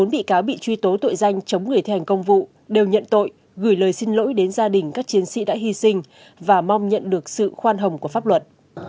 bốn bị cáo bị truy tố tội danh chống người thi hành công vụ đều nhận tội gửi lời xin lỗi đến gia đình các chiến sĩ đã hy sinh và mong nhận được sự khoan hồng của pháp luật